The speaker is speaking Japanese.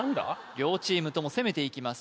両チームとも攻めていきます